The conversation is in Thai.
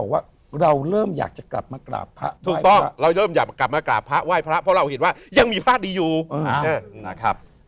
เพราะมันทำให้เรามีความสุข